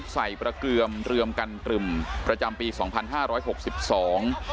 ประเกือมเรือมกันตรึมประจำปีสองพันห้าร้อยหกสิบสอง